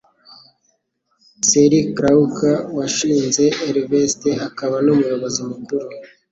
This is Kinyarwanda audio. Sallie Krawcheck, washinze Ellevest akaba n'umuyobozi mukuru